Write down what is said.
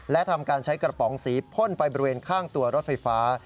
และทำการใช้กระป๋องสีพ่นไปบริเวณข้างตัวรถไฟฟ้า